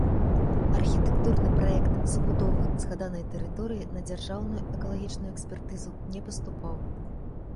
Архітэктурны праект забудовы згаданай тэрыторыі на дзяржаўную экалагічную экспертызу не паступаў.